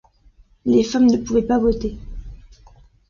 Les femmes ne pouvaient pas voter.